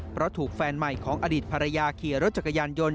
เพราะถูกแฟนใหม่ของอดีตภรรยาขี่รถจักรยานยนต์